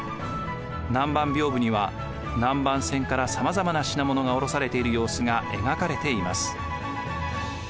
南蛮屏風には南蛮船からさまざまな品物が降ろされている様子が描かれています。